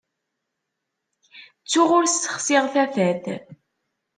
Ttuɣ ur ssexsiɣ tafat.